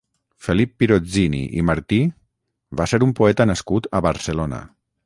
Felip Pirozzini i Martí va ser un poeta nascut a Barcelona.